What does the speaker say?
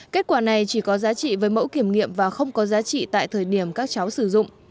kết quả này chỉ có giá trị với mẫu kiểm nghiệm và không có giá trị tại thời điểm các cháu sử dụng